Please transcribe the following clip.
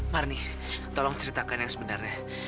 marni tolong ceritakan yang sebenarnya